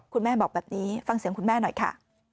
คุณแม่บอกแบบนี้ฟังเสียงคุณแม่หน่อยค่ะ